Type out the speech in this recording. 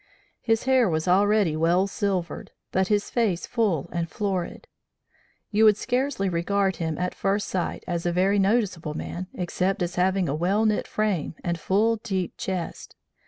His hair was already well silvered, but his face full and florid. You would scarcely regard him, at first sight, as a very noticeable man, except as having a well knit frame and full, deep chest.